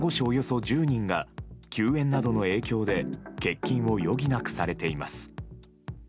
およそ１０人が休園などの影響で欠勤を余儀なくされています。